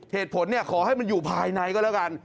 เหตุผลขอให้มันอยู่ภายในก็แล้วกัน